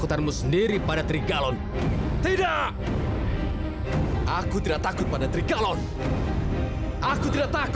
dan menentukan segala kiatinya